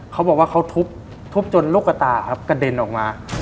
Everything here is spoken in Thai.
เขาบอกว่าเขาทุบจนลูกกระตาครับกระเด็นออกมา